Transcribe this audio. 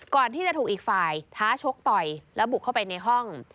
ก่อนที่จะถูกอีกฝ่ายท้าชกต่อยแล้วบุกเข้าไปในห้อง